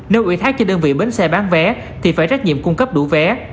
nếu ủy thác cho đơn vị bến xe bán vé thì phải trách nhiệm cung cấp đủ vé